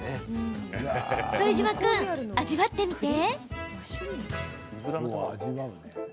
副島君、味わってみて。